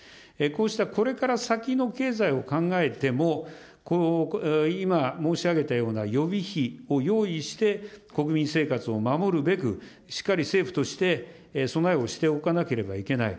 こうしたこれから先の経済を考えても、今、申し上げたような予備費を用意して、国民生活を守るべく、しっかり政府として、備えをしておかなければいけない。